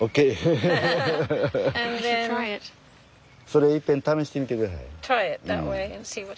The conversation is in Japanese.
それいっぺん試してみて下さい。